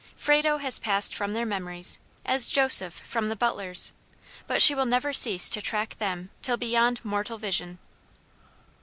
Frado has passed from their memories, as Joseph from the butler's, but she will never cease to track them till beyond mortal vision.